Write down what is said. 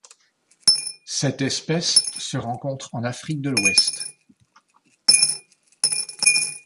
Cette espèce se rencontre en Afrique de l'Ouest.